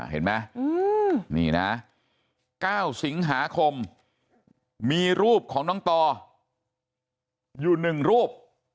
เห็นไหมนี่นะ๙สิงหาคมมีรูปของน้องต่ออยู่๑รูป